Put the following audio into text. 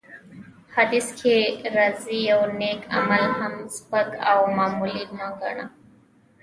حديث کي راځي : يو نيک عمل هم سپک او معمولي مه ګڼه!